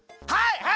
はい！